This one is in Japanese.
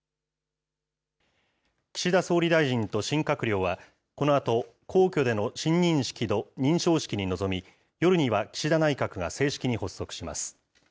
岸田総理大臣と新閣僚はこのあと、皇居での親任式と認証式に臨み、夜には岸田内閣が正式に発足します。